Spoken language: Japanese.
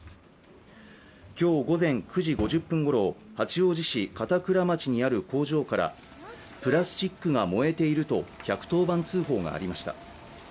今日午前９時５０分ごろ、八王子市片倉駅にある工場からプラスチックが燃えていると１１０番通報がありました。